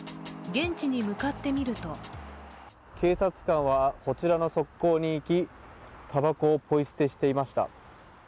現地に向かってみると警察官はこちらの側溝に行きたばこをポイ捨てしていました。